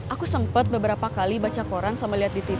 aku sempat beberapa kali baca koran sama lihat di tv